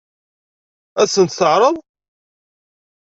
Ad sen-t-teɛṛeḍ?